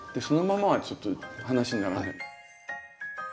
そのままはちょっと話にならない。